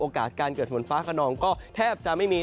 การเกิดฝนฟ้าขนองก็แทบจะไม่มี